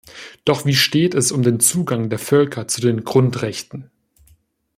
Doch wie steht es um den Zugang der Völker zu den Grundrechten?